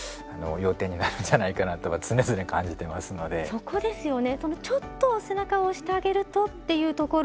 そこですよね。